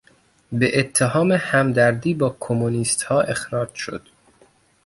به اتهام همدردی با کمونیستها اخراج شد.